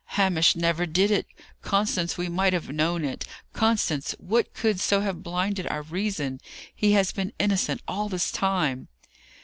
"Hamish never did it! Constance, we might have known it. Constance, what could so have blinded our reason? He has been innocent all this time."